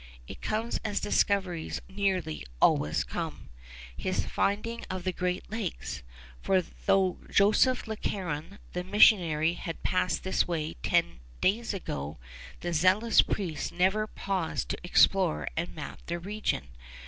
It comes as discoveries nearly always come his finding of the Great Lakes; for though Joseph Le Caron, the missionary, had passed this way ten days ago, the zealous priest never paused to explore and map the region.